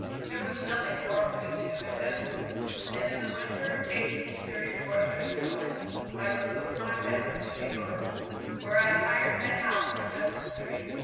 There was nothing more for me to do in Bethel; and in the winter of 1834 5, I removed my family to New York, where I hired a house in Hudson Street.